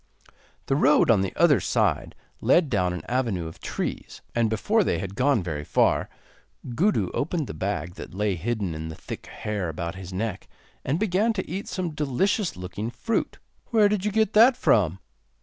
The road on the other side led down an avenue of trees, and before they had gone very far Gudu opened the bag that lay hidden in the thick hair about his neck, and began to eat some delicious looking fruit. 'Where did you get that from?